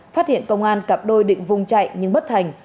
phát hiện công an cặp đôi định vùng chạy nhưng bất thành